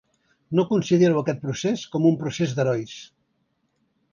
No considero aquest procés com un procés d’herois.